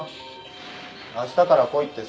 あしたから来いってさ。